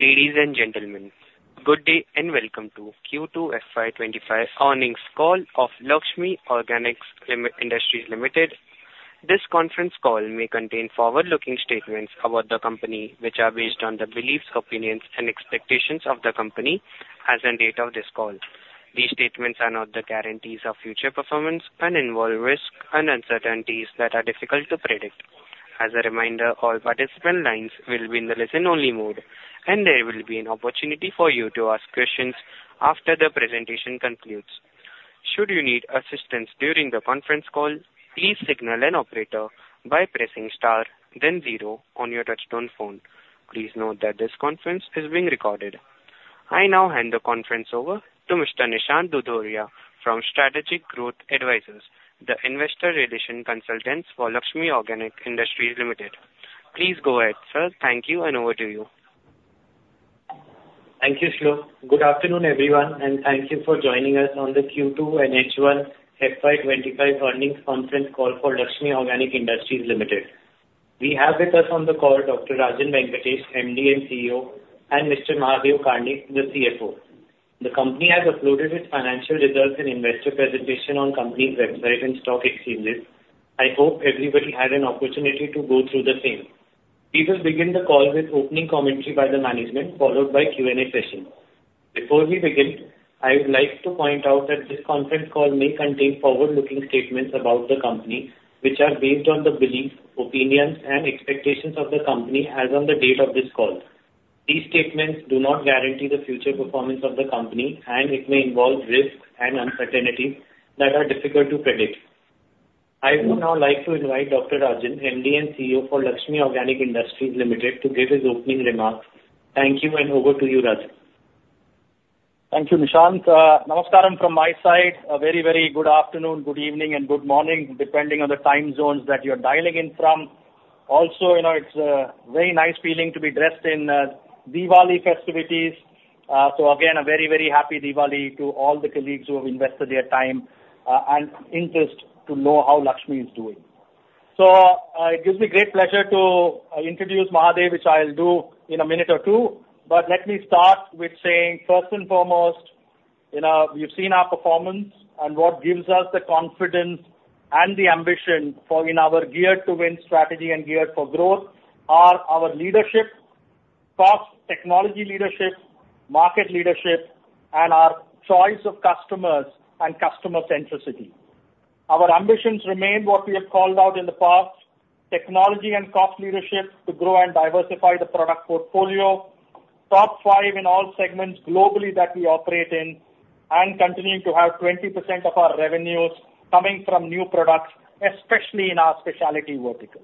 Ladies and gentlemen, good day and welcome to Q2FY25 earnings call of Laxmi Organic Industries Limited. This conference call may contain forward-looking statements about the company, which are based on the beliefs, opinions, and expectations of the company as of the date of this call. These statements are not the guarantees of future performance and involve risks and uncertainties that are difficult to predict. As a reminder, all participant lines will be in the listen-only mode, and there will be an opportunity for you to ask questions after the presentation concludes. Should you need assistance during the conference call, please signal an operator by pressing star, then zero on your touchtone phone. Please note that this conference is being recorded. I now hand the conference over to Mr. Nishant Dudoria from Strategic Growth Advisors, the investor relations consultants for Laxmi Organic Industries Limited. Please go ahead, sir. Thank you, and over to you. Thank you, Shlok. Good afternoon, everyone, and thank you for joining us on the Q2 and H1 FY25 earnings conference call for Laxmi Organic Industries Limited. We have with us on the call Dr. Rajan Venkatesh, MD and CEO, and Mr. Mahadeo Karnik, the CFO. The company has uploaded its financial results and investor presentation on the company's website and stock exchanges. I hope everybody had an opportunity to go through the same. We will begin the call with opening commentary by the management, followed by a Q&A session. Before we begin, I would like to point out that this conference call may contain forward-looking statements about the company, which are based on the beliefs, opinions, and expectations of the company as of the date of this call. These statements do not guarantee the future performance of the company, and it may involve risks and uncertainties that are difficult to predict. I would now like to invite Dr. Rajan, MD and CEO for Laxmi Organic Industries Limited, to give his opening remarks. Thank you, and over to you, Rajan. Thank you, Nishant. Namaskaram from my side. A very, very good afternoon, good evening, and good morning, depending on the time zones that you're dialing in from. Also, it's a very nice feeling to be dressed in Diwali festivities. So again, a very, very happy Diwali to all the colleagues who have invested their time and interest to know how Laxmi is doing. It gives me great pleasure to introduce Mahadeo, which I'll do in a minute or two. But let me start with saying, first and foremost, we've seen our performance, and what gives us the confidence and the ambition for our geared-to-win strategy and geared-for-growth are our leadership, cost technology leadership, market leadership, and our choice of customers and customer centricity. Our ambitions remain what we have called out in the past: technology and cost leadership to grow and diversify the product portfolio, top five in all segments globally that we operate in, and continuing to have 20% of our revenues coming from new products, especially in our specialty vertical.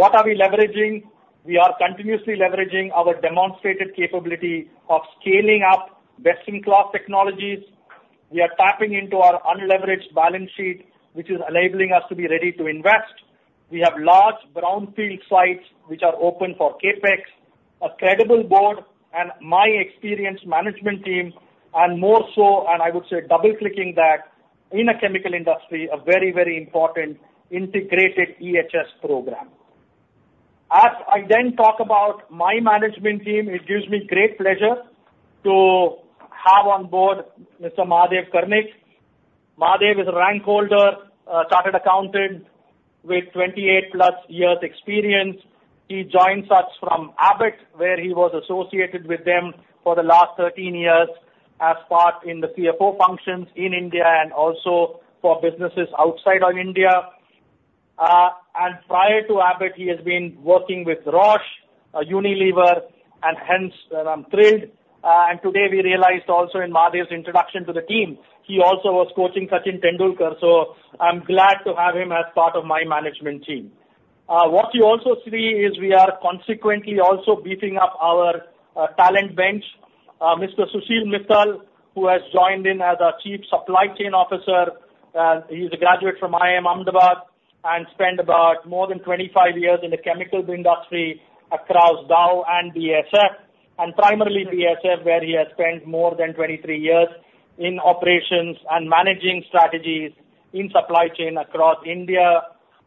What are we leveraging? We are continuously leveraging our demonstrated capability of scaling up best-in-class technologies. We are tapping into our unleveraged balance sheet, which is enabling us to be ready to invest. We have large brownfield sites which are open for CapEx, a credible board, and my experienced management team, and more so, and I would say double-clicking that in a chemical industry, a very, very important integrated EHS program. As I then talk about my management team, it gives me great pleasure to have on board Mr. Mahadeo Karnik. Mahadeo is a rank holder, a chartered accountant with 28-plus years' experience. He joined us from Abbott, where he was associated with them for the last 13 years as part of the CFO functions in India and also for businesses outside of India. Prior to Abbott, he has been working with Roche and Unilever, and hence I'm thrilled. Today we realized also in Mahadeo's introduction to the team, he also was coaching Sachin Tendulkar. I'm glad to have him as part of my management team. What you also see is we are consequently also beefing up our talent bench. Mr. Sushil Mittal, who has joined in as Chief Supply Chain Officer, he's a graduate from IIM Ahmedabad and spent about more than 25 years in the chemical industry across Dow and BASF, and primarily BASF, where he has spent more than 23 years in operations and managing strategies in supply chain across India,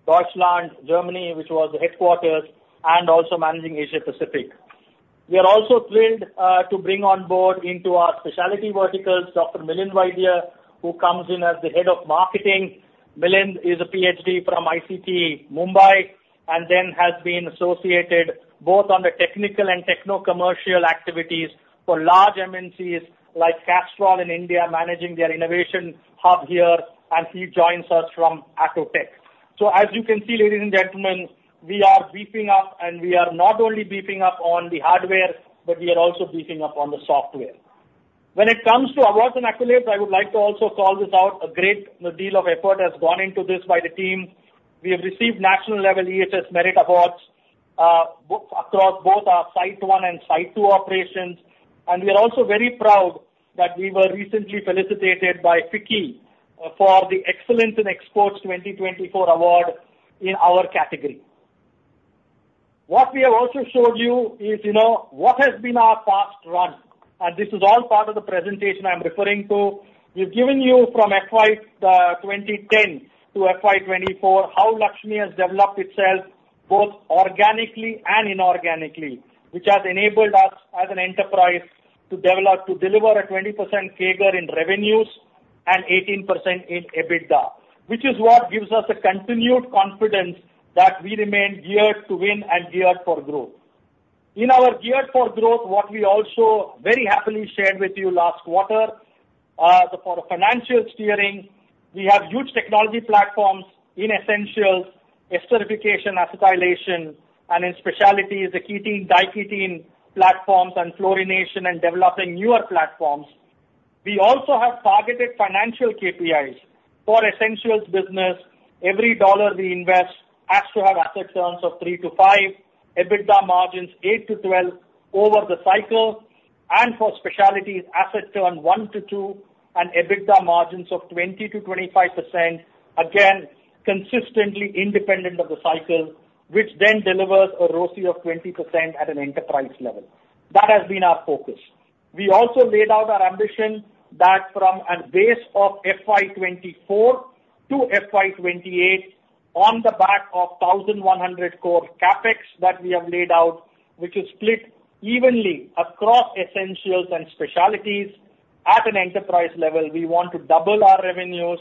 Deutschland, Germany, which was the headquarters, and also managing Asia-Pacific. We are also thrilled to bring on board into our specialty verticals Dr. Milind Vaidya, who comes in as the head of marketing. Milind is a PhD from ICT Mumbai and then has been associated both on the technical and techno-commercial activities for large MNCs like Castrol in India, managing their innovation hub here, and he joins us from Actylis. So as you can see, ladies and gentlemen, we are beefing up, and we are not only beefing up on the hardware, but we are also beefing up on the software. When it comes to awards and accolades, I would like to also call this out. A great deal of effort has gone into this by the team. We have received national-level EHS merit awards across both our Site 1 and Site 2 operations. And we are also very proud that we were recently felicitated by FICCI for the Excellence in Exports 2024 award in our category. What we have also showed you is what has been our past run. And this is all part of the presentation I'm referring to. We've given you from FY2010 to FY24 how Laxmi has developed itself both organically and inorganically, which has enabled us as an enterprise to deliver a 20% CAGR in revenues and 18% in EBITDA, which is what gives us a continued confidence that we remain geared to win and geared for growth. In our geared-for-growth, what we also very happily shared with you last quarter, for financial steering, we have huge technology platforms in essentials, esterification, acetylation, and in specialties, the ketene, diketene platforms, and fluorination and developing newer platforms. We also have targeted financial KPIs for essentials business. Every dollar we invest has to have asset turns of 3-5, EBITDA margins 8%-12% over the cycle, and for specialties, asset turn 1-2 and EBITDA margins of 20%-25%, again, consistently independent of the cycle, which then delivers a ROCE of 20% at an enterprise level. That has been our focus. We also laid out our ambition that from a base of FY24 to FY28, on the back of 1,100 crore CapEx that we have laid out, which is split evenly across essentials and specialties, at an enterprise level, we want to double our revenues,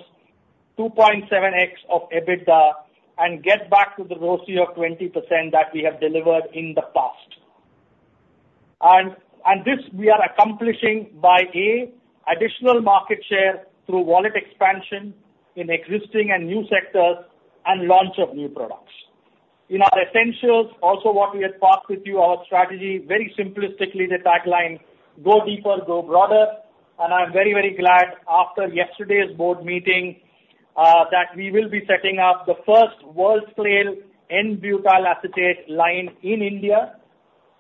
2.7x of EBITDA, and get back to the ROCE of 20% that we have delivered in the past. And this we are accomplishing by, A, additional market share through wallet expansion in existing and new sectors and launch of new products. In our essentials, also what we had talked with you, our strategy, very simplistically, the tagline, "Go deeper, go broader." And I'm very, very glad after yesterday's board meeting that we will be setting up the first world-class N-butyl acetate line in India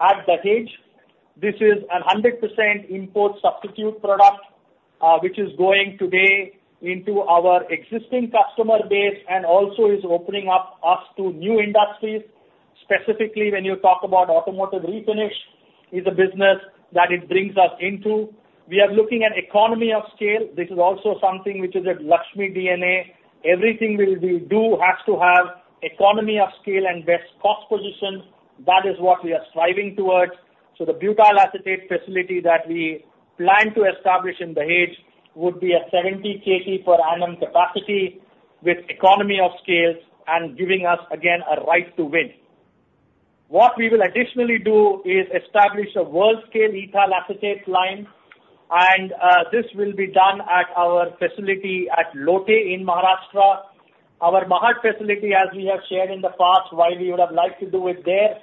at Dahej. This is a 100% import substitute product, which is going today into our existing customer base and also is opening up us to new industries. Specifically, when you talk about automotive refinish, it's a business that it brings us into. We are looking at economy of scale. This is also something which is at Laxmi DNA. Everything we do has to have economy of scale and best cost position. That is what we are striving towards. So the butyl acetate facility that we plan to establish in Dahej would be a 70 KT per annum capacity with economy of scale and giving us, again, a right to win. What we will additionally do is establish a world-scale ethyl acetate line, and this will be done at our facility at Lote in Maharashtra. Our Mahad facility, as we have shared in the past, why we would have liked to do it there,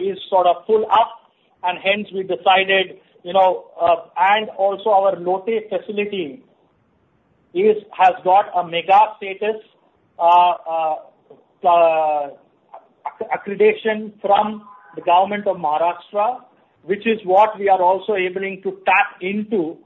is sort of full up, and hence we decided, and also our Lote facility has got a mega status accreditation from the government of Maharashtra, which is what we are also able to tap into.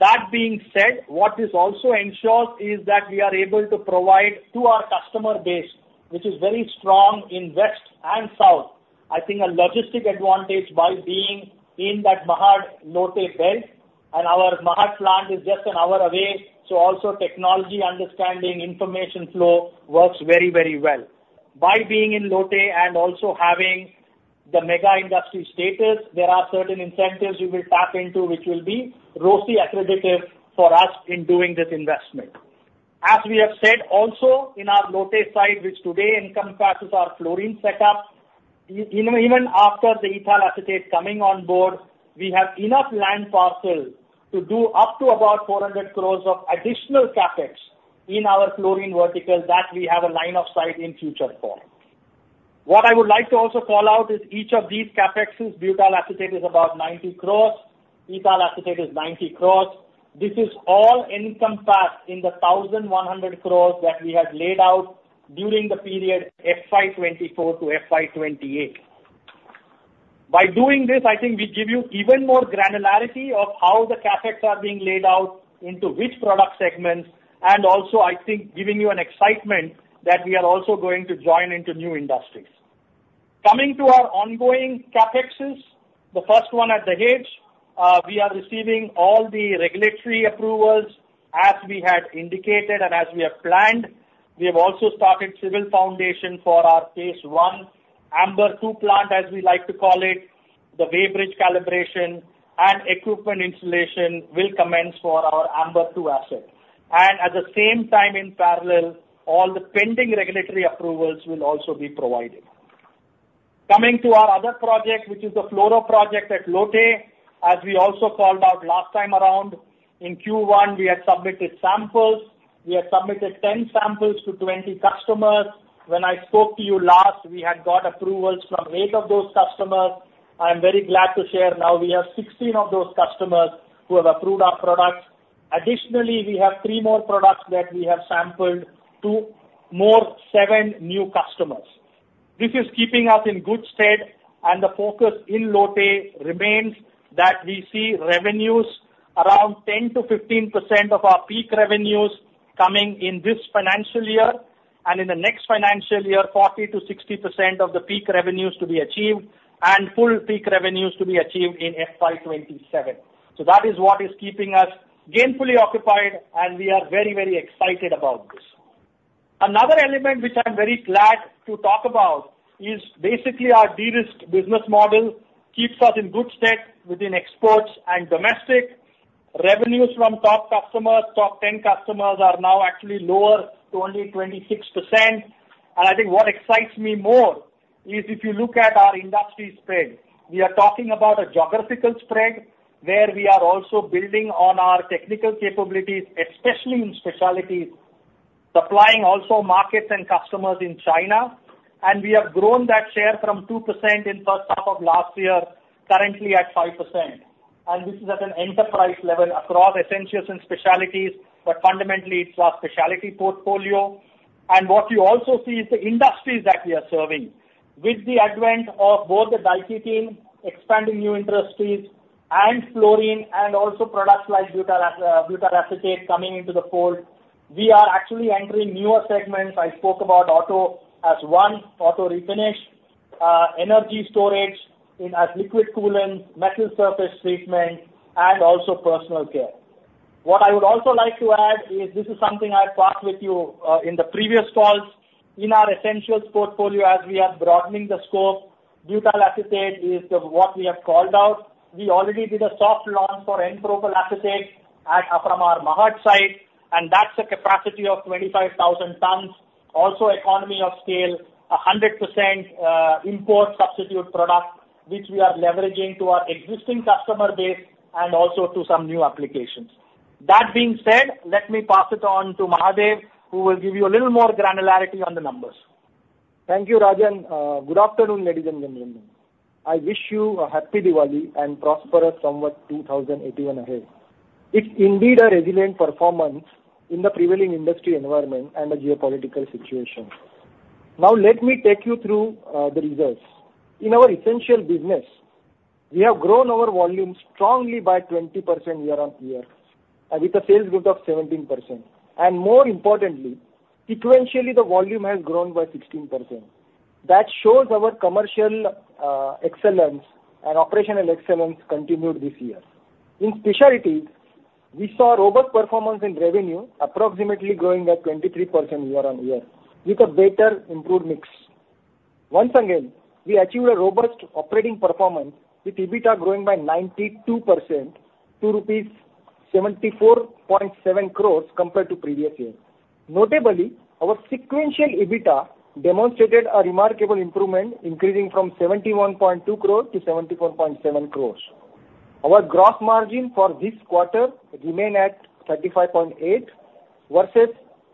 That being said, what this also ensures is that we are able to provide to our customer base, which is very strong in west and south, I think a logistic advantage by being in that Mahad Lote belt. Our Mahad plant is just an hour away, so also technology understanding, information flow works very, very well. By being in Lote and also having the mega status, there are certain incentives we will tap into, which will be ROCE accretive for us in doing this investment. As we have said, also in our Lote site, which today encompasses our fluorine setup, even after the ethyl acetate coming on board, we have enough land parcel to do up to about 400 crores of additional capex in our fluorine vertical that we have a line of sight in future for. What I would like to also call out is each of these capexes, butyl acetate is about 90 crores, ethyl acetate is 90 crores. This is all encompassed in the 1,100 crores that we have laid out during the period FY24 to FY28. By doing this, I think we give you even more granularity of how the CapEx are being laid out into which product segments, and also, I think, giving you an excitement that we are also going to join into new industries. Coming to our ongoing CapExes, the first one at Dahej, we are receiving all the regulatory approvals as we had indicated and as we have planned. We have also started civil foundation for our Phase 1 Amber II plant, as we like to call it. The weighbridge calibration and equipment installation will commence for our Amber II asset. And at the same time, in parallel, all the pending regulatory approvals will also be provided. Coming to our other project, which is the Fluoro project at Lote, as we also called out last time around, in Q1, we had submitted samples. We had submitted 10 samples to 20 customers. When I spoke to you last, we had got approvals from 8 of those customers. I am very glad to share now we have 16 of those customers who have approved our products. Additionally, we have 3 more products that we have sampled to more 7 new customers. This is keeping us in good stead, and the focus in Lote remains that we see revenues around 10%-15% of our peak revenues coming in this financial year, and in the next financial year, 40%-60% of the peak revenues to be achieved and full peak revenues to be achieved in FY27. So that is what is keeping us gainfully occupied, and we are very, very excited about this. Another element which I'm very glad to talk about is basically our de-risk business model keeps us in good stead within exports and domestic. Revenues from top customers, top 10 customers are now actually lower to only 26%, and I think what excites me more is if you look at our industry spread, we are talking about a geographical spread where we are also building on our technical capabilities, especially in specialties, supplying also markets and customers in China, and we have grown that share from 2% in the first half of last year currently at 5%. And this is at an enterprise level across essentials and specialties, but fundamentally, it's our specialty portfolio, and what you also see is the industries that we are serving. With the advent of both the diketene, expanding new industries, and fluorine, and also products like butyl acetate coming into the fold, we are actually entering newer segments. I spoke about auto as one, auto refinish, energy storage as liquid coolant, metal surface treatment, and also personal care. What I would also like to add is this is something I've talked with you in the previous calls. In our essentials portfolio, as we are broadening the scope, butyl acetate is what we have called out. We already did a soft launch for N-propyl acetate from our Mahad site, and that's a capacity of 25,000 tons. Also, economy of scale, 100% import substitute product, which we are leveraging to our existing customer base and also to some new applications. That being said, let me pass it on to Mahadeo, who will give you a little more granularity on the numbers. Thank you, Rajan. Good afternoon, ladies and gentlemen. I wish you a happy Diwali and prosperous Samvat 2081 ahead. It's indeed a resilient performance in the prevailing industry environment and the geopolitical situation. Now, let me take you through the results. In our essential business, we have grown our volume strongly by 20% year on year with a sales growth of 17%. More importantly, sequentially, the volume has grown by 16%. That shows our commercial excellence and operational excellence continued this year. In specialties, we saw robust performance in revenue, approximately growing at 23% year on year with a better improved mix. Once again, we achieved a robust operating performance with EBITDA growing by 92% to rupees 74.7 crores compared to previous year. Notably, our sequential EBITDA demonstrated a remarkable improvement, increasing from 71.2 crores to 74.7 crores. Our gross margin for this quarter remained at 35.8 versus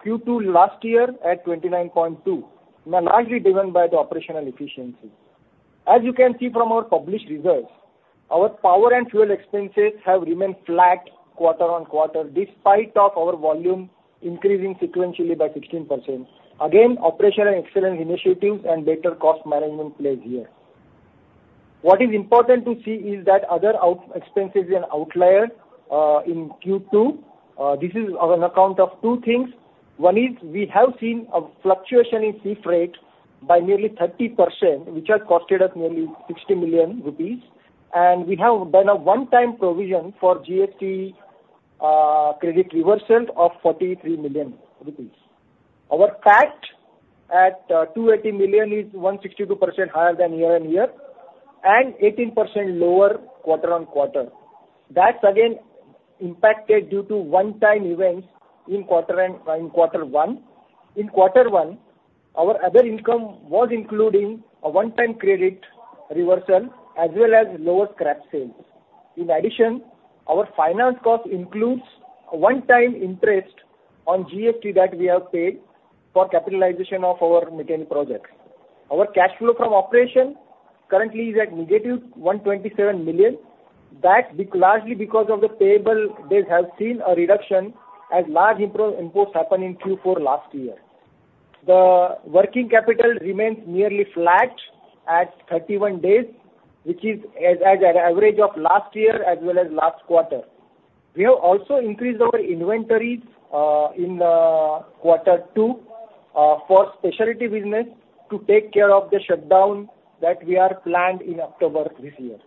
Q2 last year at 29.2, largely driven by the operational efficiency. As you can see from our published results, our power and fuel expenses have remained flat quarter on quarter despite our volume increasing sequentially by 16%. Again, operational excellence initiatives and better cost management play here. What is important to see is that other expenses and outliers in Q2, this is on account of two things. One is we have seen a fluctuation in sea freight by nearly 30%, which has costed us nearly 60 million rupees. And we have done a one-time provision for GST credit reversal of 43 million rupees. Our tax at 280 million is 162% higher than year on year and 18% lower quarter on quarter. That's again impacted due to one-time events in quarter one. In quarter one, our other income was including a one-time credit reversal as well as lower scrap sales. In addition, our finance cost includes a one-time interest on GST that we have paid for capitalization of our capex projects. Our cash flow from operation currently is at negative 127 million. That's largely because of the payable. They have seen a reduction as large imports happen in Q4 last year. The working capital remains nearly flat at 31 days, which is the average of last year as well as last quarter. We have also increased our inventories in quarter two for specialty business to take care of the shutdown that we have planned in October this year.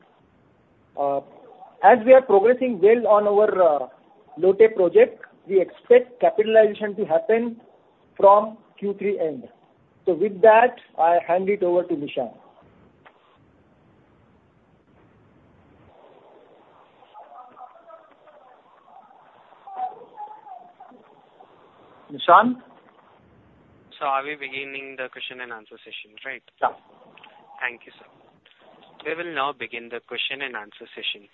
As we are progressing well on our Lote project, we expect capitalization to happen from Q3 end. So with that, I hand it over to Nishant. Nishant? So are we beginning the question and answer session, right? Yeah. Thank you, sir. We will now begin the question and answer session.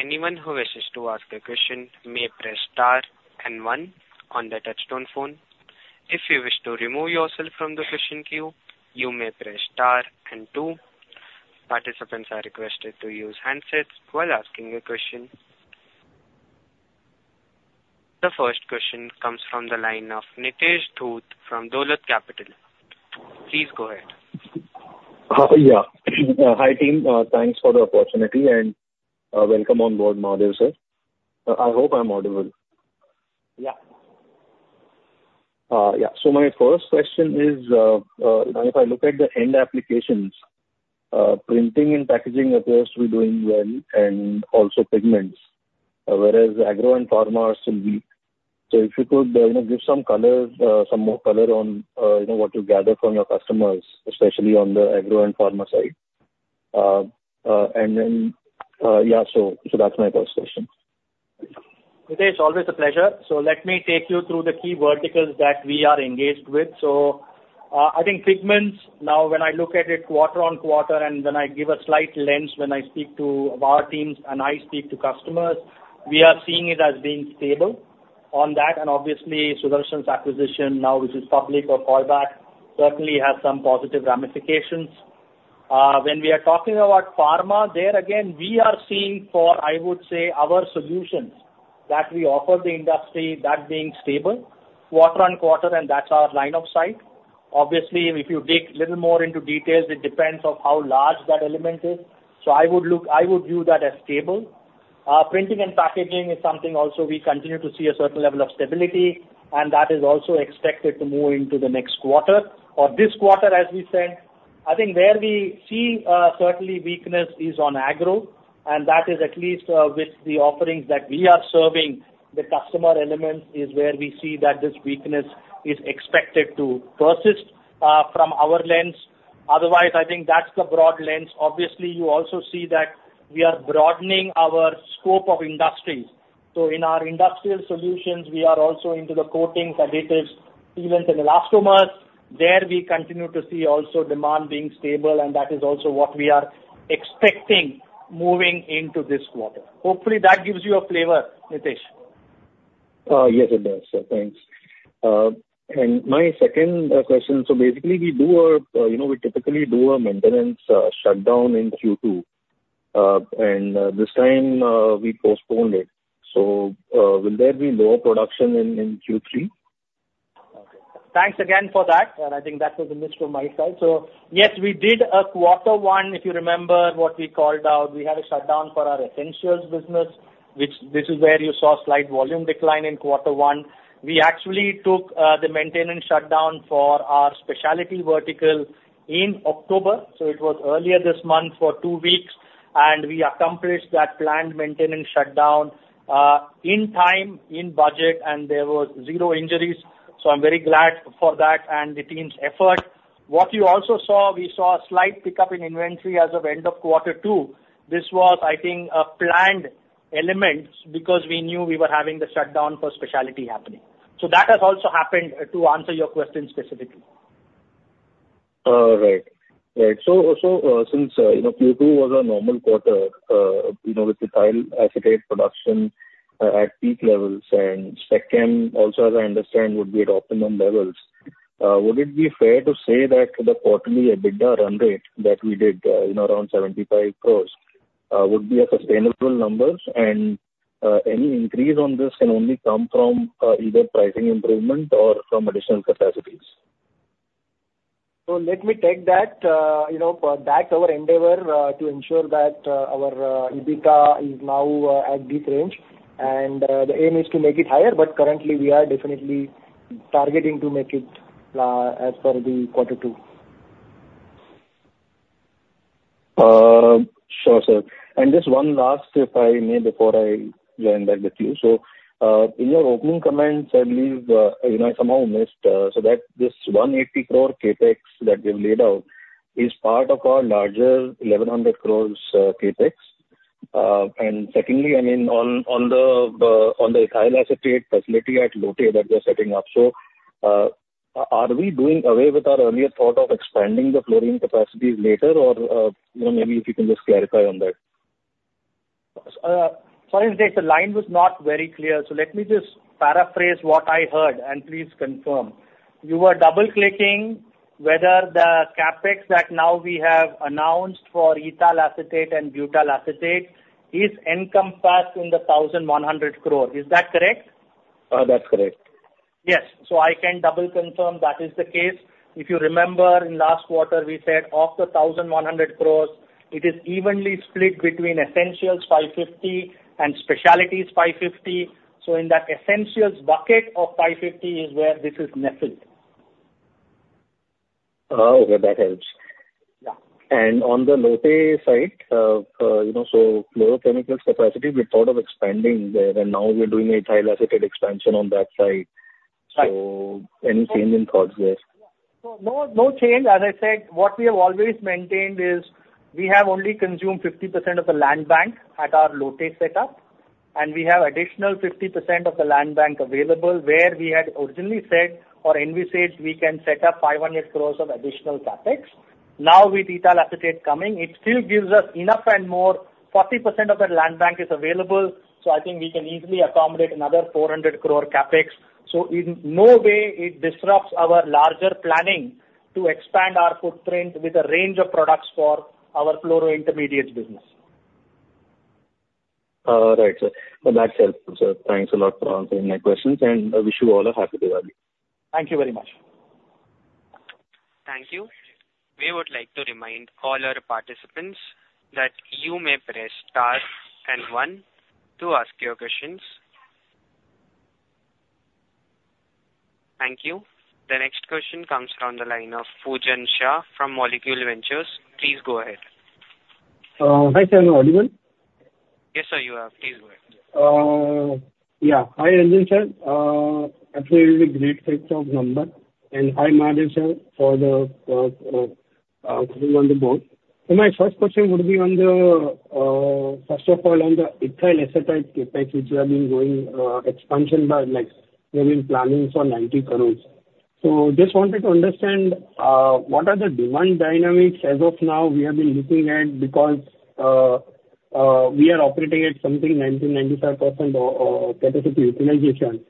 Anyone who wishes to ask a question may press star and one on the touch-tone phone. If you wish to remove yourself from the question queue, you may press star and two. Participants are requested to use handsets while asking a question. The first question comes from the line of Nitesh Dhoot from Dolat Capital. Please go ahead. Yeah. Hi team. Thanks for the opportunity and welcome on board, Mahadeo sir. I hope I'm audible. Yeah. Yeah. So my first question is, if I look at the end applications, printing and packaging appears to be doing well and also pigments, whereas agro and pharma are still weak. So if you could give some color, some more color on what you gather from your customers, especially on the agro and pharma side. And then, yeah, so that's my first question. Nitesh, always a pleasure. So let me take you through the key verticals that we are engaged with. I think pigments, now when I look at it quarter on quarter and when I give a slight lens when I speak to our teams and I speak to customers, we are seeing it as being stable on that. And obviously, Sudarshan's acquisition now, which is public or called out, certainly has some positive ramifications. When we are talking about pharma, there again, we are seeing for, I would say, our solutions that we offer the industry that being stable quarter on quarter, and that's our line of sight. Obviously, if you dig a little more into details, it depends on how large that element is. I would view that as stable. Printing and packaging is something also we continue to see a certain level of stability, and that is also expected to move into the next quarter or this quarter, as we said. I think where we see certainly weakness is on agro, and that is at least with the offerings that we are serving the customer segments is where we see that this weakness is expected to persist from our lens. Otherwise, I think that's the broad lens. Obviously, you also see that we are broadening our scope of industries. So in our industrial solutions, we are also into the coatings, adhesives, sealants, and elastomers. There we continue to see also demand being stable, and that is also what we are expecting moving into this quarter. Hopefully, that gives you a flavor, Nitesh. Yes, it does. Thanks. And my second question, so basically, we typically do a maintenance shutdown in Q2, and this time we postponed it. So will there be lower production in Q3? Thanks again for that. And I think that was a miss from my side. Yes, we did a quarter one. If you remember what we called out, we had a shutdown for our essentials business, which this is where you saw slight volume decline in quarter one. We actually took the maintenance shutdown for our specialty vertical in October. It was earlier this month for two weeks, and we accomplished that planned maintenance shutdown in time, in budget, and there were zero injuries. I'm very glad for that and the team's effort. What you also saw, we saw a slight pickup in inventory as of end of quarter two. This was, I think, a planned element because we knew we were having the shutdown for specialty happening. That has also happened to answer your question specifically. Right. Right. Since Q2 was a normal quarter with the ethyl acetate production at peak levels and spec chem also, as I understand, would be at optimum levels, would it be fair to say that the quarterly EBITDA run rate that we did around 75 crores would be a sustainable number? And any increase on this can only come from either pricing improvement or from additional capacities. So let me take that. That's our endeavor to ensure that our EBITDA is now at this range, and the aim is to make it higher, but currently, we are definitely targeting to make it as per the quarter two. Sure, sir. And just one last tip I made before I joined back with you. So in your opening comments, I believe I somehow missed that this 180 crore capex that we have laid out is part of our larger 1,100 crores capex. Secondly, I mean, on the ethyl acetate facility at Lote that we are setting up, so are we doing away with our earlier thought of expanding the fluorochemical capacities later, or maybe if you can just clarify on that. Sorry, Nitesh, the line was not very clear. So let me just paraphrase what I heard and please confirm. You were double-clicking whether the capex that now we have announced for ethyl acetate and butyl acetate is encompassed in the 1,100 crores. Is that correct? That's correct. Yes. So I can double-confirm that is the CASE. If you remember, in last quarter, we said of the 1,100 crores, it is evenly split between essentials 550 and specialties 550. So in that essentials bucket of 550 is where this is nestled. Okay, that helps. On the Lote side, fluorochemicals capacity, we thought of expanding there, and now we're doing an ethyl acetate expansion on that side. So any change in thoughts there? No change. As I said, what we have always maintained is we have only consumed 50% of the land bank at our Lote setup, and we have additional 50% of the land bank available where we had originally said or envisaged we can set up 500 crore of additional CapEx. Now with ethyl acetate coming, it still gives us enough and more. 40% of that land bank is available. So I think we can easily accommodate another 400 crore CapEx. So in no way it disrupts our larger planning to expand our footprint with a range of products for our fluoro intermediates business. Right, sir. That's helpful, sir. Thanks a lot for answering my questions, and I wish you all a happy Diwali. Thank you very much. Thank you. We would like to remind all our participants that you may press star and one to ask your questions. Thank you. The next question comes from the line of Poojan Shah from Molecule Ventures. Please go ahead. Hi, sir. Are you on? Yes, sir, you are. Please go ahead. Yeah. Hi, Rajan sir. Actually, it is a great set of numbers, and hi, Mahadeo sir, for the group on the board. So my first question would be on the, first of all, on the ethyl acetate Capex, which we have been going expansion by, we have been planning for 90 crores. So just wanted to understand what are the demand dynamics as of now we have been looking at because we are operating at something 90%-95% capacity utilization.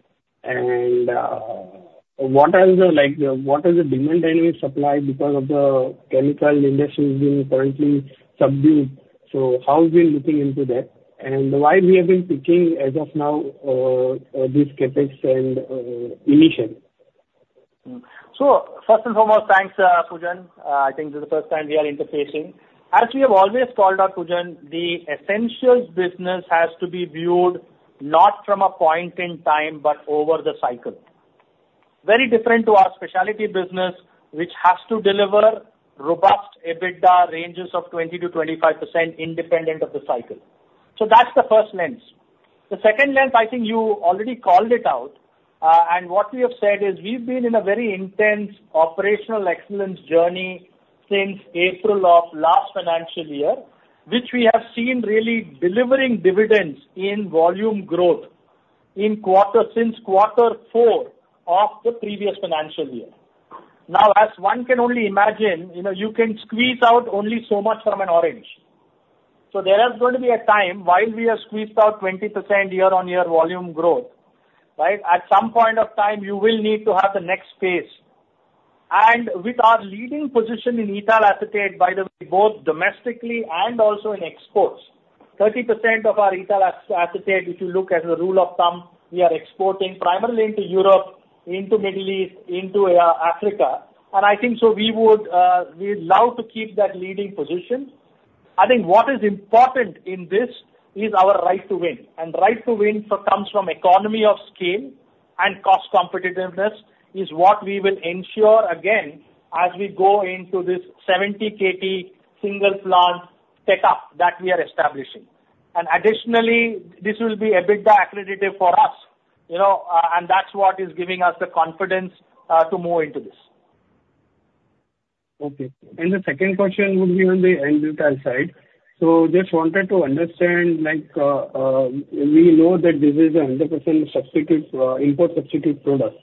What is the demand dynamic supply because of the chemical industry being currently subdued? How have we been looking into that? Why have we been picking as of now these capex and initially? First and foremost, thanks, Poojan. I think this is the first time we are interfacing. As we have always called out, Poojan, the essentials business has to be viewed not from a point in time, but over the cycle. Very different to our specialty business, which has to deliver robust EBITDA ranges of 20%-25% independent of the cycle. That's the first lens. The second lens, I think you already called it out. What we have said is we've been in a very intense operational excellence journey since April of last financial year, which we have seen really delivering dividends in volume growth since quarter four of the previous financial year. Now, as one can only imagine, you can squeeze out only so much from an orange. So there has got to be a time when we have squeezed out 20% year-on-year volume growth, right? At some point of time, you will need to have the next phase. And with our leading position in ethyl acetate, by the way, both domestically and also in exports, 30% of our ethyl acetate, if you look at the rule of thumb, we are exporting primarily into Europe, into the Middle East, into Africa. And I think so we would love to keep that leading position. I think what is important in this is our right to win, and right to win comes from economy of scale and cost competitiveness is what we will ensure again as we go into this 70 KT single plant setup that we are establishing, and additionally, this will be EBITDA accredited for us, and that's what is giving us the confidence to move into this. Okay, and the second question would be on the EBITDA side. So just wanted to understand, we know that this is a 100% import substitute product.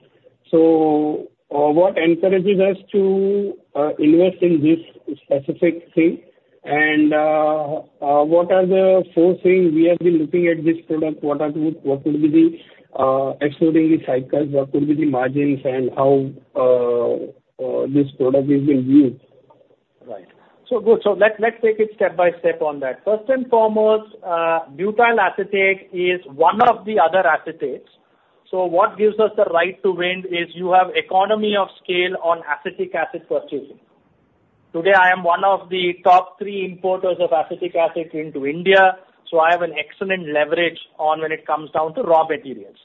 So what encourages us to invest in this specific thing? And what are the four things we have been looking at this product? What would be the excluding the cycles? What would be the margins and how this product is being viewed? Right. So good. So let's take it step by step on that. First and foremost, Butyl Acetate is one of the other acetates. So what gives us the right to win is you have economy of scale on Acetic Acid purchasing. Today, I am one of the top three importers of Acetic Acid into India. So I have an excellent leverage on when it comes down to raw materials.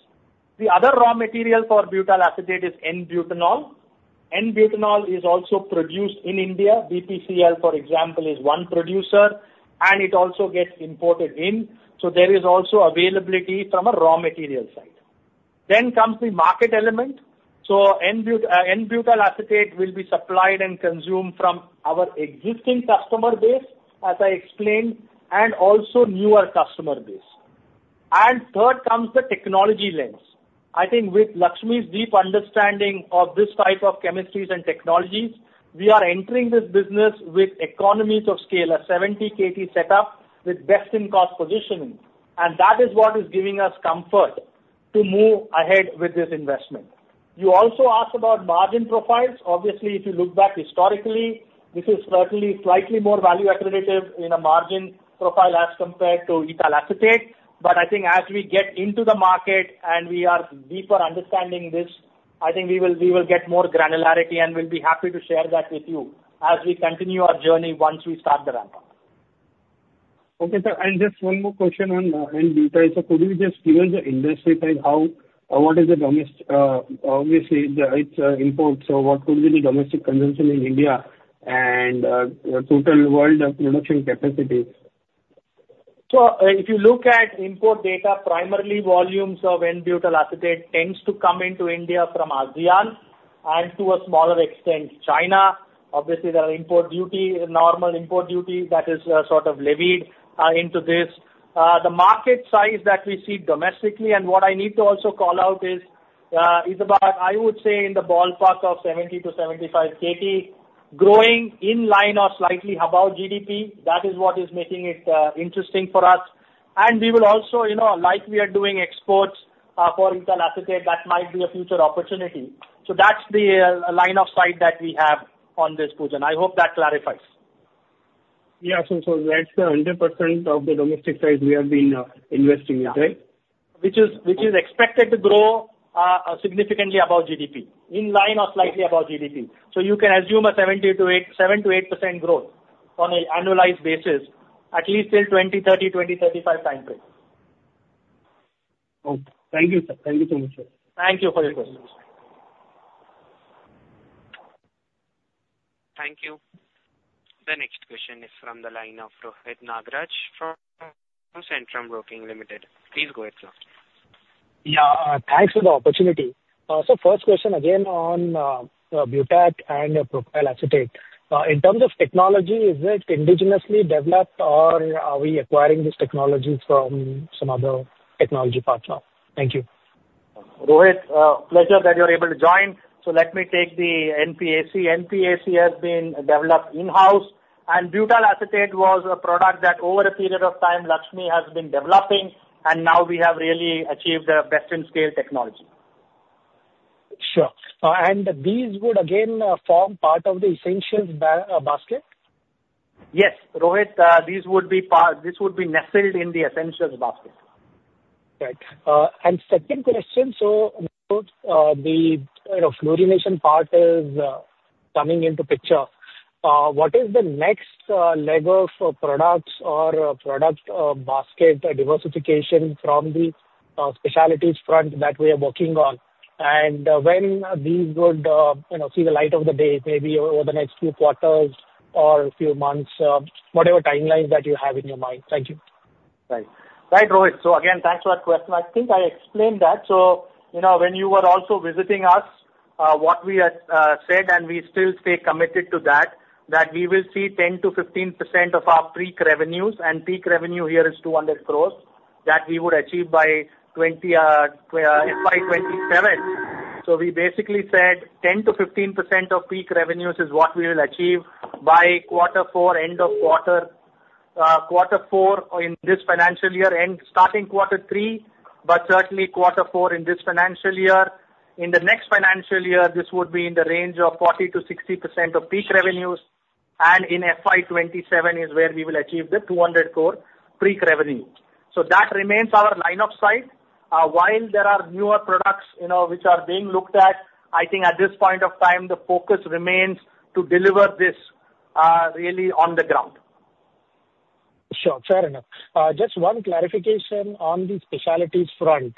The other raw material for Butyl Acetate is N-butanol. N-butanol is also produced in India. BPCL, for example, is one producer, and it also gets imported in. So there is also availability from a raw material side. Then comes the market element. So N-Butyl Acetate will be supplied and consumed from our existing customer base, as I explained, and also newer customer base. And third comes the technology lens. I think with Laxmi's deep understanding of this type of chemistries and technologies, we are entering this business with economies of scale, a 70 KT setup with best-in-class positioning. And that is what is giving us comfort to move ahead with this investment. You also asked about margin profiles. Obviously, if you look back historically, this is certainly slightly more value-accretive in a margin profile as compared to ethyl acetate. But I think as we get into the market and we are deeper understanding this, I think we will get more granularity, and we'll be happy to share that with you as we continue our journey once we start the ramp-up. Okay, sir. And just one more question on N-butyl. So could you just give us the industry size? What is the domestic? Obviously, it's import. So what would be the domestic consumption in India and total world production capacity? So if you look at import data, primarily volumes of N-butyl acetate tends to come into India from ASEAN and to a smaller extent, China. Obviously, there are import duties, normal import duties that is sort of levied into this. The market size that we see domestically and what I need to also call out is about, I would say, in the ballpark of 70-75 KT, growing in line or slightly above GDP. That is what is making it interesting for us. And we will also, like we are doing exports for ethyl acetate, that might be a future opportunity. So that's the line of sight that we have on this, Poojan. I hope that clarifies. Yeah. So that's the 100% of the domestic size we have been investing in, right? Which is expected to grow significantly above GDP, in line or slightly above GDP. So you can assume a 70-8% growth on an annualized basis, at least till 2030, 2035 timeframe. Thank you, sir. Thank you so much, sir. Thank you for your questions. Thank you. The next question is from the line of Rohit Nagraj from Centrum Broking Limited. Please go ahead, sir. Yeah. Thanks for the opportunity. So first question again on butyl acetate and propyl acetate. In terms of technology, is it indigenously developed, or are we acquiring these technologies from some other technology partner? Thank you. Rohit, pleasure that you're able to join. So let me take the NPAC. NPAC has been developed in-house, and butyl acetate was a product that over a period of time, Laxmi has been developing, and now we have really achieved the best-in-scale technology. Sure. And these would again form part of the essentials basket? Yes. Rohit, these would be nestled in the essentials basket. Right. And second question, so the fluorination part is coming into picture. What is the next leg of products or product basket diversification from the specialties front that we are working on? And when these would see the light of the day, maybe over the next few quarters or a few months, whatever timelines that you have in your mind? Thank you. Right. Right, Rohit. So again, thanks for that question. I think I explained that. So when you were also visiting us, what we had said, and we still stay committed to that, that we will see 10%-15% of our peak revenues, and peak revenue here is 200 crores, that we would achieve by 2027. We basically said 10%-15% of peak revenues is what we will achieve by quarter four, end of quarter four in this financial year, and starting quarter three, but certainly quarter four in this financial year. In the next financial year, this would be in the range of 40%-60% of peak revenues, and in FY27 is where we will achieve the 200 crore peak revenue. That remains our line of sight. While there are newer products which are being looked at, I think at this point of time, the focus remains to deliver this really on the ground. Sure. Fair enough. Just one clarification on the specialties front.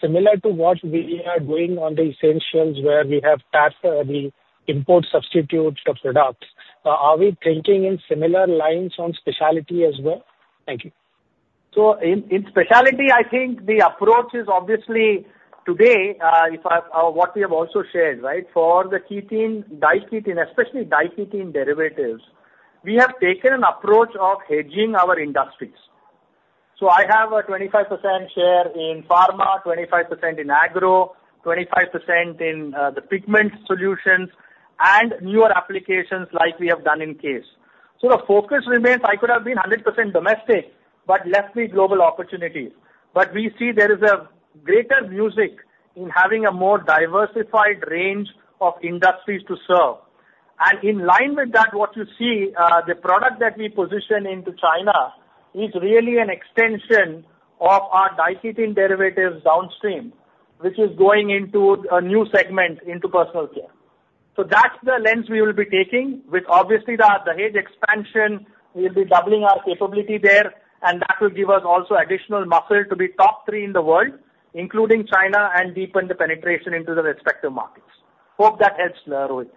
Similar to what we are doing on the essentials where we have the import substitute products, are we thinking in similar lines on specialty as well? Thank you. So in specialty, I think the approach is obviously today what we have also shared, right, for the ketene, diketene, especially diketene derivatives, we have taken an approach of hedging across industries. So I have a 25% share in pharma, 25% in agro, 25% in the pigment solutions, and newer applications like we have done in CASE. So the focus remains, I could have been 100% domestic, but leaves me global opportunities. But we see there is a greater mix in having a more diversified range of industries to serve. And in line with that, what you see, the product that we position into China is really an extension of our diketene derivatives downstream, which is going into a new segment into personal care. So that's the lens we will be taking with, obviously, the Dahej expansion. We'll be doubling our capability there, and that will give us also additional muscle to be top three in the world, including China, and deepen the penetration into the respective markets. Hope that helps, Rohit.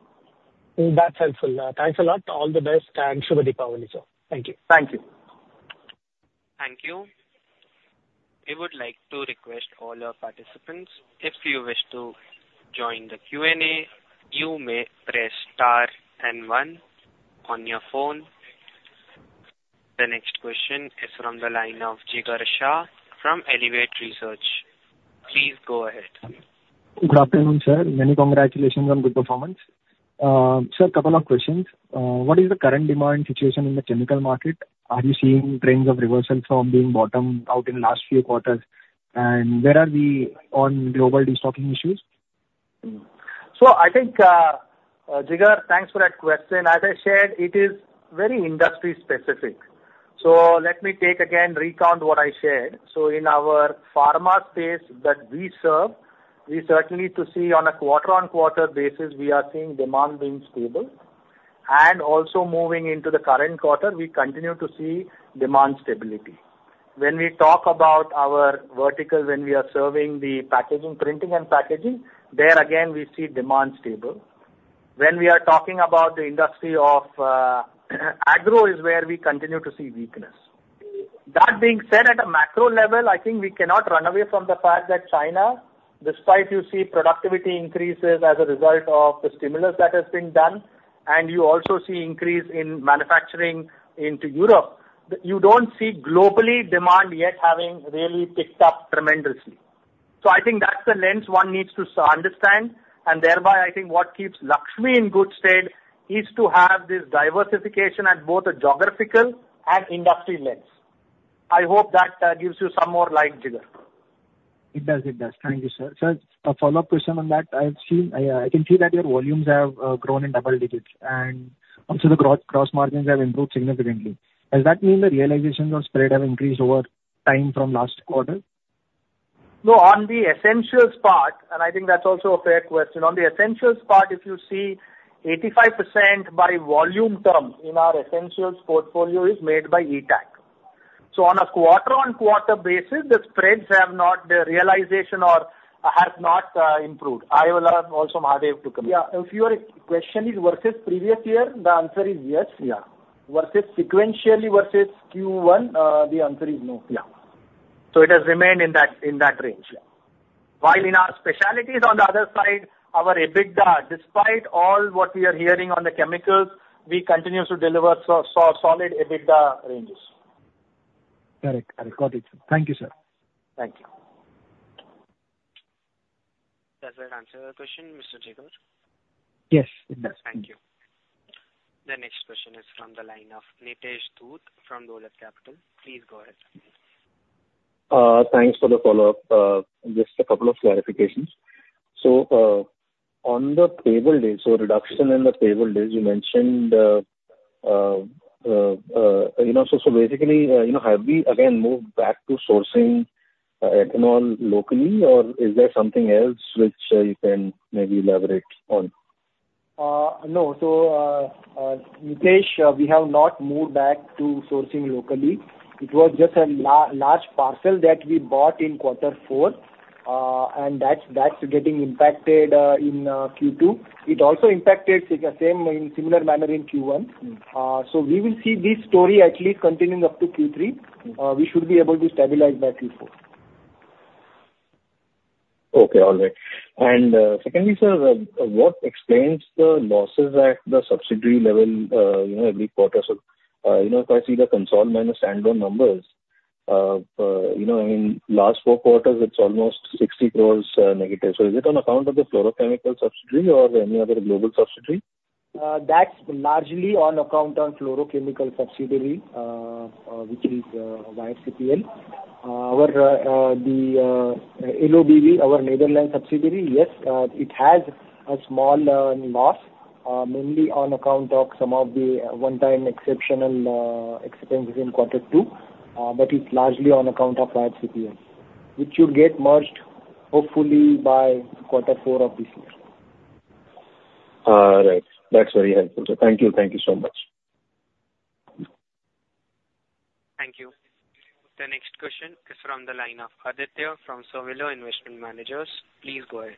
That's helpful. Thanks a lot. All the best, and Shubh Deepavali, sir. Thank you. Thank you. Thank you. We would like to request all our participants, if you wish to join the Q&A, you may press star and one on your phone. The next question is from the line of Jigar Shah from Elevate Research. Please go ahead. Good afternoon, sir. Many congratulations on good performance. Sir, a couple of questions. What is the current demand situation in the chemical market? Are you seeing trends of reversal from being bottomed out in the last few quarters? And where are we on global restocking issues? So I think, Jigar, thanks for that question. As I shared, it is very industry specific. So let me again recount what I shared. So in our pharma space that we serve, we certainly see on a quarter-on-quarter basis, we are seeing demand being stable. And also moving into the current quarter, we continue to see demand stability. When we talk about our vertical, when we are serving the packaging, printing and packaging, there again, we see demand stable. When we are talking about the industry of agro, is where we continue to see weakness. That being said, at a macro level, I think we cannot run away from the fact that China, despite, you see, productivity increases as a result of the stimulus that has been done, and you also see increase in manufacturing into Europe, you don't see global demand yet having really picked up tremendously. So I think that's the lens one needs to understand. And thereby, I think what keeps Laxmi in good state is to have this diversification at both a geographical and industry lens. I hope that gives you some more light, Jigar. It does. It does. Thank you, sir. Sir, a follow-up question on that. I can see that your volumes have grown in double digits, and also the gross margins have improved significantly. Does that mean the realizations of spread have increased over time from last quarter? No, on the essentials part, and I think that's also a fair question. On the essentials part, if you see 85% by volume term in our essentials portfolio is made by ETAC. So on a quarter-on-quarter basis, the spreads have not realization or have not improved. I will also Mahadeo to come. Yeah. If your question is versus previous year, the answer is yes. Yeah. Sequentially versus Q1, the answer is no. Yeah. So it has remained in that range. While in our specialties, on the other side, our EBITDA, despite all what we are hearing on the chemicals, we continue to deliver solid EBITDA ranges. Correct. Correct. Got it. Thank you, sir. Thank you. Does that answer the question, Mr. Jigar? Yes, it does. Thank you. The next question is from the line of Nitesh Dhoot from Dolat Capital. Please go ahead. Thanks for the follow-up. Just a couple of clarifications. So on the payable days, so reduction in the payable days, you mentioned so basically, have we again moved back to sourcing ethanol locally, or is there something else which you can maybe elaborate on? No. So Nitesh, we have not moved back to sourcing locally. It was just a large parcel that we bought in quarter four, and that's getting impacted in Q2. It also impacted the same in similar manner in Q1. So we will see this story at least continuing up to Q3. We should be able to stabilize by Q4. Okay. All right. And secondly, sir, what explains the losses at the subsidiary level every quarter? So if I see the consolidated minus standalone numbers, in last four quarters, it's almost 60 crore negative. So is it on account of the fluorochemical subsidiary or any other global subsidiary? That's largely on account of fluorochemical subsidiary, which is YCPL. The LOBV, our Netherlands subsidiary, yes, it has a small loss, mainly on account of some of the one-time exceptional expenses in quarter two, but it's largely on account of YCPL, which should get merged, hopefully, by quarter four of this year. All right. That's very helpful. So thank you. Thank you so much. Thank you. The next question is from the line of Aditya from Survela Investment Managers. Please go ahead.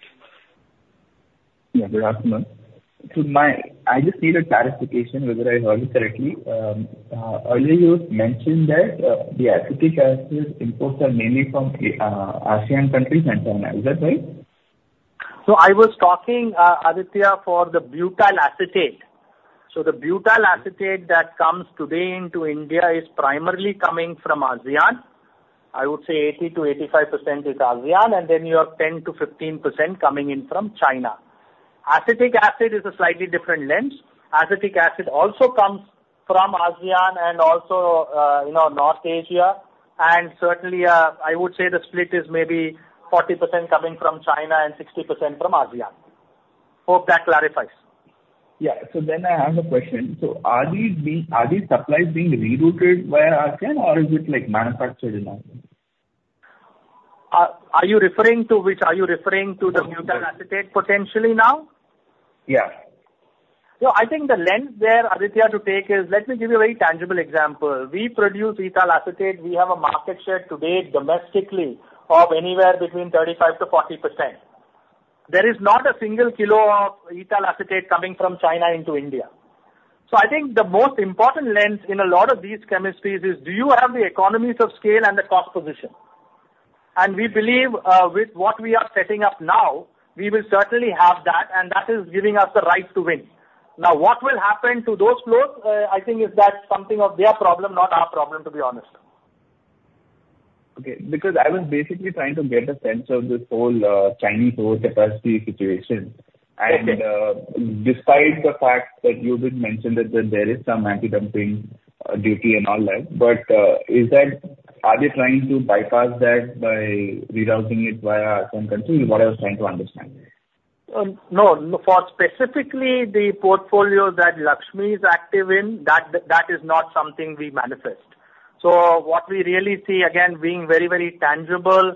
Yeah. Good afternoon. I just need a clarification whether I heard it correctly. Earlier, you mentioned that the acetic acid imports are mainly from ASEAN countries and China. Is that right? So I was talking, Aditya, for the butyl acetate. So the butyl acetate that comes today into India is primarily coming from ASEAN. I would say 80%-85% is ASEAN, and then you have 10%-15% coming in from China. Acetic acid is a slightly different lens. Acetic acid also comes from ASEAN and also North Asia. And certainly, I would say the split is maybe 40% coming from China and 60% from ASEAN. Hope that clarifies. Yeah. So then I have a question. So are these supplies being rerouted via ASEAN, or is it manufactured in ASEAN? Are you referring to which? Are you referring to the butyl acetate potentially now? Yeah. I think the lens there, Aditya, to take is let me give you a very tangible example. We produce ethyl acetate. We have a market share today domestically of anywhere between 35%-40%. There is not a single kilo of ethyl acetate coming from China into India. I think the most important lens in a lot of these chemistries is, do you have the economies of scale and the cost position? We believe with what we are setting up now, we will certainly have that, and that is giving us the right to win. Now, what will happen to those flows, I think, is that's something of their problem, not our problem, to be honest. Okay. Because I was basically trying to get a sense of this whole Chinese oil capacity situation. And despite the fact that you did mention that there is some anti-dumping duty and all that, but are they trying to bypass that by rerouting it via some country? What I was trying to understand. No. Specifically, the portfolio that Laxmi is active in, that is not something we manifest. So what we really see, again, being very, very tangible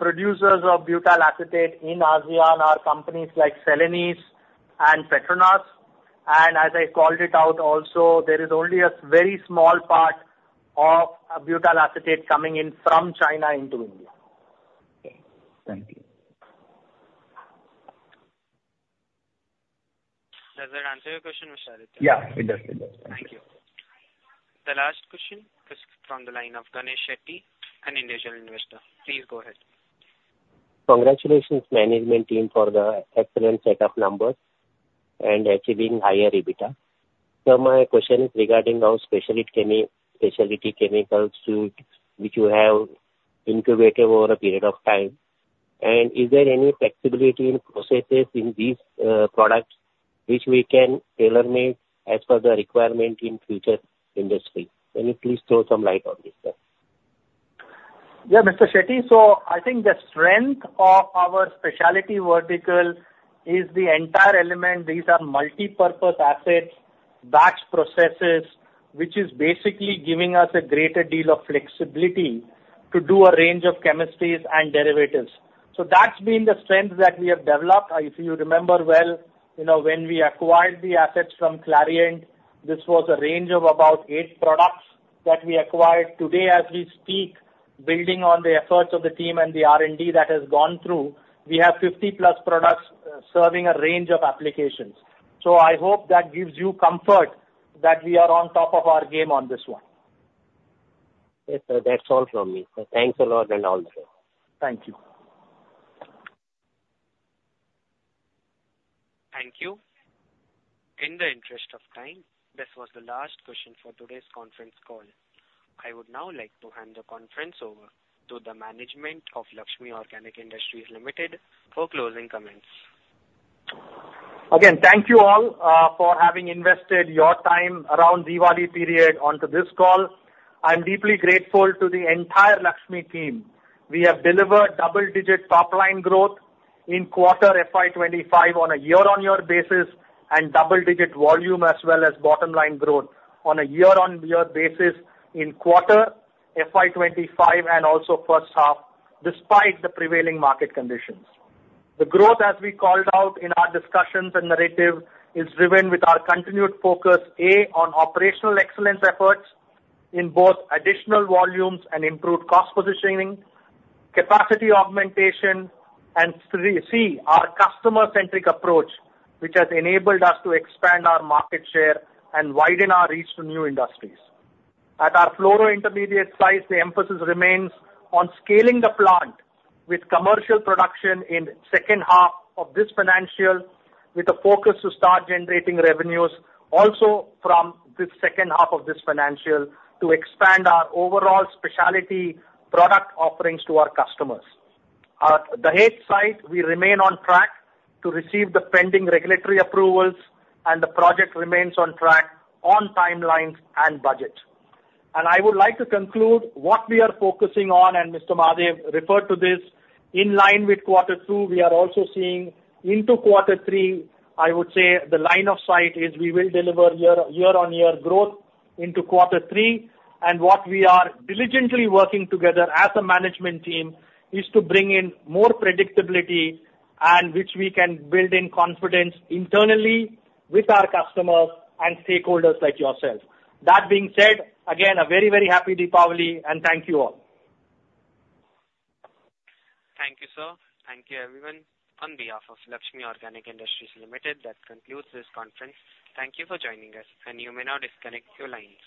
producers of butyl acetate in ASEAN are companies like Celanese and Petronas. And as I called it out also, there is only a very small part of butyl acetate coming in from China into India. Okay. Thank you. Does that answer your question, Mr. Aditya? Yeah. It does. It does. Thank you. The last question is from the line of Ganesh Shetty, an individual investor. Please go ahead. Congratulations management team for the excellent set of numbers and achieving higher EBITDA. So my question is regarding how specialty chemicals which you have incubated over a period of time, and is there any flexibility in processes in these products which we can tailor-make as per the requirement in future industry? Can you please throw some light on this? Yeah, Mr. Shetty, so I think the strength of our specialty vertical is the entire element. These are multi-purpose assets, batch processes, which is basically giving us a greater deal of flexibility to do a range of chemistries and derivatives, so that's been the strength that we have developed. If you remember well, when we acquired the assets from Clariant, this was a range of about eight products that we acquired. Today, as we speak, building on the efforts of the team and the R&D that has gone through, we have 50 plus products serving a range of applications. So I hope that gives you comfort that we are on top of our game on this one. Yes, sir. That's all from me. Thanks a lot and all the best. Thank you. Thank you. In the interest of time, this was the last question for today's conference call. I would now like to hand the conference over to the management of Laxmi Organic Industries Limited for closing comments. Again, thank you all for having invested your time around Diwali period onto this call. I'm deeply grateful to the entire Laxmi team. We have delivered double-digit top-line growth in quarter FY25 on a year-on-year basis and double-digit volume as well as bottom-line growth on a year-on-year basis in quarter FY25 and also first half, despite the prevailing market conditions. The growth, as we called out in our discussions and narrative, is driven with our continued focus, A, on operational excellence efforts in both additional volumes and improved cost positioning, capacity augmentation, and C, our customer-centric approach, which has enabled us to expand our market share and widen our reach to new industries. At our fluoro intermediates site, the emphasis remains on scaling the plant with commercial production in the second half of this financial, with a focus to start generating revenues also from the second half of this financial to expand our overall specialty product offerings to our customers. The Dahej side, we remain on track to receive the pending regulatory approvals, and the project remains on track on timelines and budget. I would like to conclude what we are focusing on, and Mr. Mahadeo referred to this. In line with quarter two, we are also seeing into quarter three. I would say the line of sight is we will deliver year-on-year growth into quarter three. What we are diligently working together as a management team is to bring in more predictability and which we can build in confidence internally with our customers and stakeholders like yourself. That being said, again, a very, very happy Diwali and thank you all. Thank you, sir. Thank you, everyone. On behalf of Laxmi Organic Industries Limited, that concludes this conference. Thank you for joining us, and you may now disconnect your lines.